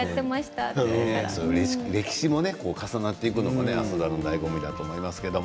歴史も重なっていくのが朝ドラのだいご味だと思いますね。